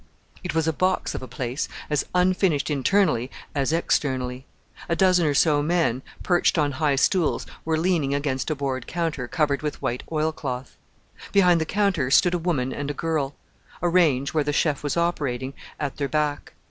It was a box of a place, as unfinished internally as externally. A dozen or so men, perched on high stools, were leaning against a board counter covered with white oilcloth. Behind the counter stood a woman and a girl; a range, where the chef was operating, at their back.